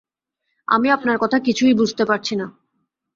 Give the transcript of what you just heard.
আমি আপনার কথা কিছুই বুঝতে পারছি না।